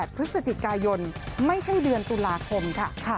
พฤศจิกายนไม่ใช่เดือนตุลาคมค่ะ